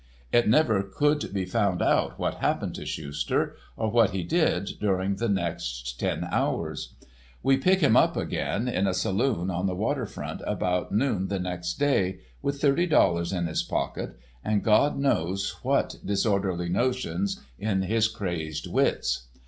It never could be found out what happened to Schuster, or what he did, during the next ten hours. We pick him up again in a saloon on the waterfront about noon the next day, with thirty dollars in his pocket and God knows what disorderly notions in his crazed wits.